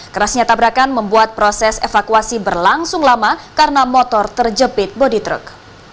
kerasnya tabrakan membuat proses evakuasi berlangsung lama karena motor terjepit bodi truk